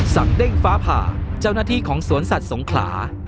เด้งฟ้าผ่าเจ้าหน้าที่ของสวนสัตว์สงขลา